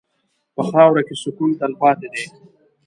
په خاوره کې سکون تلپاتې دی.